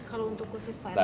kalau untuk khusus pak erlangga